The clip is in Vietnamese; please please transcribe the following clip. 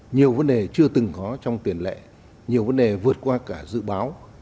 nhiều vấn đề chưa từng có trong tiền lệ nhiều vấn đề vượt qua cả dự báo